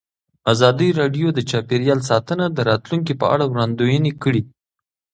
ازادي راډیو د چاپیریال ساتنه د راتلونکې په اړه وړاندوینې کړې.